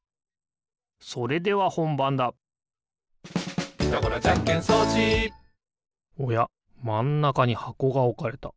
それではほんばんだおやまんなかにはこがおかれた。